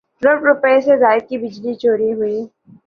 رب روپے سے زائد کی بجلی چوری ہوئی